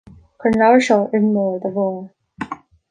Cuir an leabhar seo ar an mbord, a Mháire